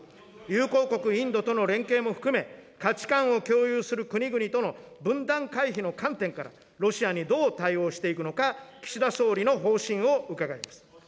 友好国インドとの連携も含め、価値観を共有する国々との分断回避の観点から、ロシアにどう対応していくのか、岸田総理の方針を伺います。